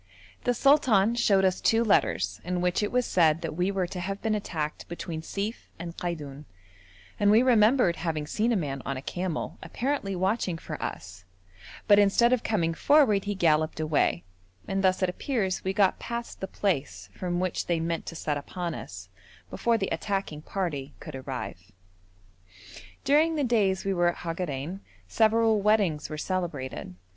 The sultan showed us two letters in which it was said that we were to have been attacked between Sief and Kaidoun, and we remembered having seen a man on a camel apparently watching for us, but instead of coming forward he galloped away; and thus it appears we got past the place from which they meant to set upon us, before the attacking party could arrive. During the days we were at Hagarein several weddings were celebrated.